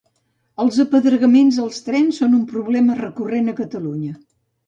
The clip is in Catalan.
Els apedregaments als trens són un problema recurrent a Catalunya.